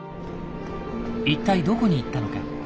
一体どこに行ったのか。